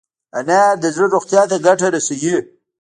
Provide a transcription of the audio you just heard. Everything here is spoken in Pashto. انار د زړه روغتیا ته ګټه رسوي.